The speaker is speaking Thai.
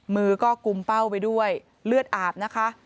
มือก็กุมเป้าไปด้วยเลือดอาบนะคะ